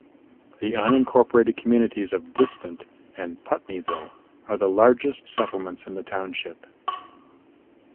The unincorporated communities of Distant and Putneyville are the largest settlements in the township.